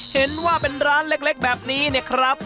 เห็นว่าเป็นร้านเล็กแบบนี้เนี่ยครับ